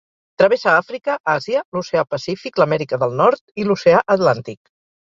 Travessa Àfrica, Àsia, l’Oceà Pacífic, l'Amèrica del Nord i l'oceà Atlàntic.